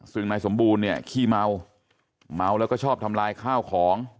ซึ่งนายสมบูรณ์เนี่ยขี้เมาเมาแล้วก็ชอบทำลายข้าวของ